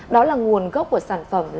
đó là nguồn gốc của sản phẩm